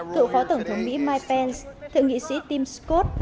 cựu phó tổng thống mỹ mike pence thượng nghị sĩ tim scott